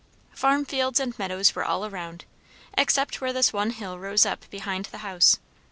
Farm fields and meadows were all around, except where this one hill rose up behind the house.